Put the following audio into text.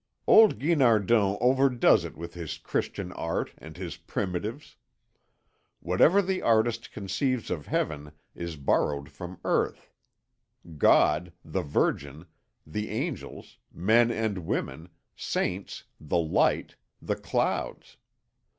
"Old Guinardon overdoes it with his Christian art and his Primitives! Whatever the artist conceives of Heaven is borrowed from earth; God, the Virgin, the Angels, men and women, saints, the light, the clouds.